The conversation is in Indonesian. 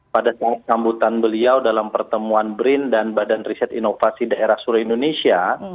pada sambutan beliau dalam pertemuan brin dan badan riset inovasi daerah seluruh indonesia